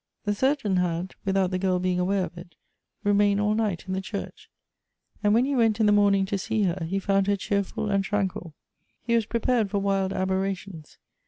The surgeon had, without the girl being aware of it, remained all night in the church ; and when he went in the morning to see her, he found her cheerful and tran quil. He was prepared for wild aberrations.